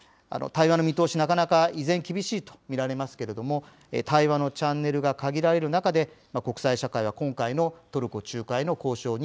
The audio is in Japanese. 対話の見通し、なかなか依然、厳しいと見られますけれども、対話のチャンネルが限られる中で、国際社会は今回のトルコ仲介の交渉